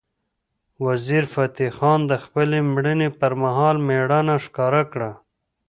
وزیرفتح خان د خپلې مړینې پر مهال مېړانه ښکاره کړه.